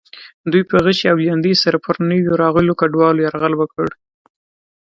دوی په غشي او لیندۍ سره پر نویو راغلو کډوالو یرغل وکړ.